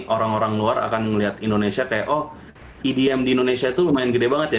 orang orang luar akan melihat indonesia kayak oh edm di indonesia itu lumayan gede banget ya